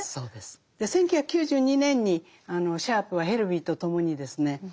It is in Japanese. １９９２年にシャープはヘルヴィーとともにですね